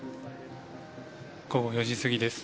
午後４時過ぎです。